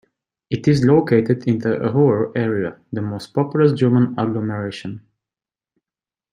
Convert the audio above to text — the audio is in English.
It is located in the Ruhr area, the most populous German agglomeration.